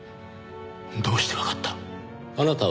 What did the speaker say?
どうしてわかった？